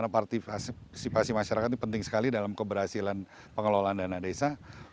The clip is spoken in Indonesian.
partisipasi masyarakat itu penting sekali dalam keberhasilan pengelolaan dana desa